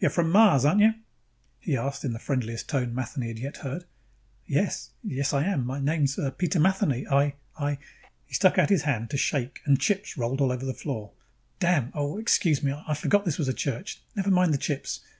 "You're from Mars, aren't you?" he asked in the friendliest tone Matheny had yet heard. "Yes. Yes, I am. M my name's Peter Matheny. I, I " He stuck out his hand to shake and chips rolled over the floor. "Damn! Oh, excuse me, I forgot this was a church. Never mind the chips.